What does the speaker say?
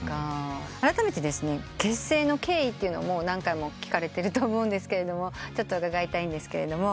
あらためて結成の経緯というのも。何回も聞かれてると思うんですけれどもちょっと伺いたいんですけれども。